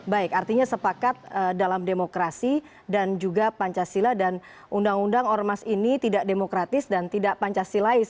baik artinya sepakat dalam demokrasi dan juga pancasila dan undang undang ormas ini tidak demokratis dan tidak pancasilais